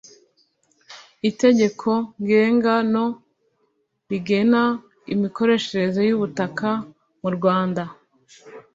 itegeko ngenga no. rigena imikoreshereze y'ubutaka mu rwanda